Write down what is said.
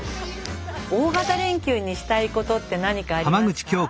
大型連休にしたいことって何かありますか？